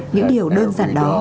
những điều đơn giản đó